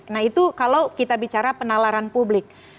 nah itu kalau kita bicara penalaran publik